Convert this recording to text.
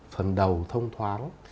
phần đầu thông thoáng